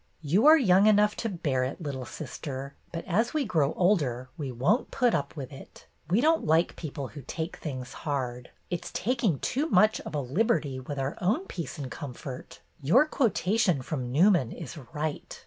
"You are young enough to bear it, little sister, but as we grow older we won't put up with it. We don't like people who take things hard. It 's taking too much of a liberty with our peace and comfort. Your quotation from Newman is right.